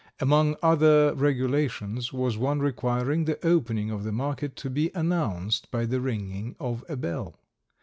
Among other regulations was one requiring the opening of the market to be announced by the ringing of a bell.